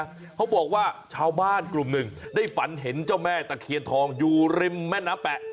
เขาบอกว่าชาวบ้านกลุ่มหนึ่งได้ฝันเห็นเจ้าแม่ตะเคียนทองอยู่ริมแม่น้ำแปะ